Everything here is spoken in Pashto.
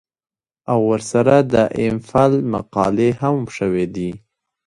او ورسره د ايم فل مقالې هم شوې دي